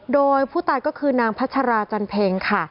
โดยผู้ตายก็คือนางพัชราจันเพ็งค่ะ